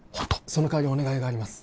その代わりお願いがあります